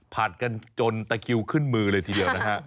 ผัดกันจนตะคิวขึ้นมือเลยทีเดียวนะฮะ